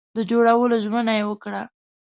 د جوړولو ژمنه یې وکړه.